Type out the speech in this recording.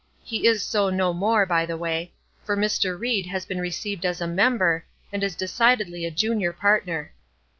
He is so no more, by the way, for Mr. Ried has been received as a member, and is decidedly a junior partner.